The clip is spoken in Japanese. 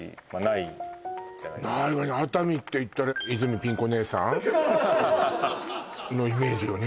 いわね熱海っていったら泉ピン子ねえさん？のイメージよね